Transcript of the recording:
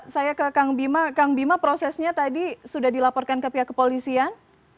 saya ke kang bima kang bima prosesnya tadi sudah dilaporkan ke pihak kepolisian